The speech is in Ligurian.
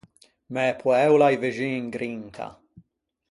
Mæ poæ o l’à i vexin in grinta.